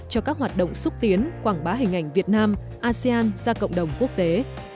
cho các hoạt động xúc tiến quảng bá hình ảnh việt nam asean ra cộng đồng quốc tế